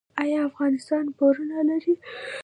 آیا افغانستان پورونه لري؟